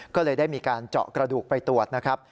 ก็เลยได้มีการเจาะกระดูกไปตรวจนะครับ